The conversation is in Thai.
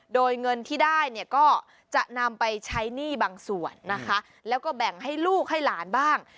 โดยเงินที่ได้เนี่ยก็จะนำไปใช้หนี้บางส่วนนะคะแล้วก็แบ่งให้ลูกให้หลานบ้าง